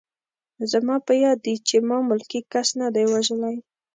زما په یاد دي چې ما ملکي کس نه دی وژلی